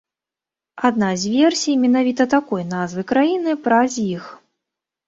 Адна з версій менавіта такой назвы краіны праз іх.